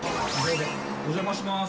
お邪魔します。